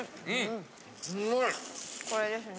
これですね。